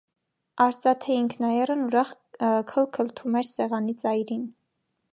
Արծաթե ինքնաեռն ուրախ քլթքլթում էր սեղանի ծայրին: